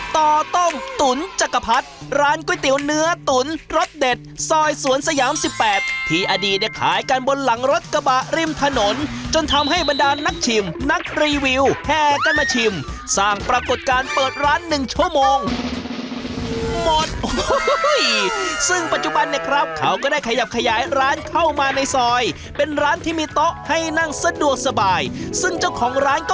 ต่อต้มตุ๋นจักรพรรดิร้านก๋วยเตี๋ยวเนื้อตุ๋นรสเด็ดซอยสวนสยามสิบแปดที่อดีตเนี่ยขายกันบนหลังรถกระบะริมถนนจนทำให้บรรดานนักชิมนักรีวิวแห่กันมาชิมสร้างปรากฏการณ์เปิดร้านหนึ่งชั่วโมงหมดซึ่งปัจจุบันเนี่ยครับเขาก็ได้ขยับขยายร้านเข้ามาในซอยเป็นร้านที่มีโต๊ะให้นั่งสะดวกสบายซึ่งเจ้าของร้านก็